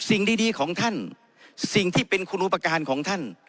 สิ่งดีของท่านสิ่งที่เป็นคุณอุปการณ์ของท่าน